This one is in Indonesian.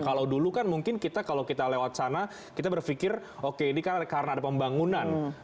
kalau dulu kan mungkin kita kalau kita lewat sana kita berpikir oke ini kan karena ada pembangunan